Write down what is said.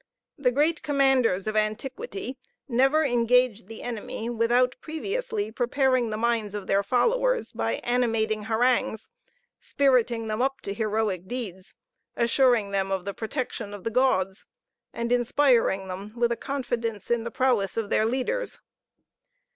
The great commanders of antiquity never engaged the enemy without previously preparing the minds of their followers by animating harangues; spiriting them up to heroic deeds, assuring them of the protection of the gods, and inspiring them with a confidence in the prowess of their leaders.